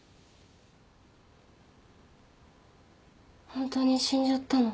本当に死んじゃったの？